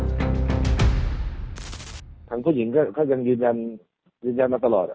ทางผู้หญิงก็ยังยืนยันยืนยันมาตลอด